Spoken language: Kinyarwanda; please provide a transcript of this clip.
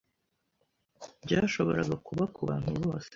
Byashoboraga kuba kubantu bose.